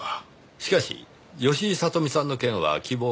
しかし吉井聡美さんの件は希望があります。